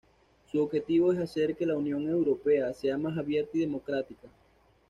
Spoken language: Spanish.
Su objetivo es hacer que la Unión Europea sea más abierta y democrática.